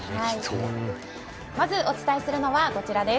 まずお伝えするのはこちらです。